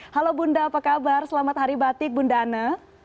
halo bunda apa kabar selamat hari batik bunda ana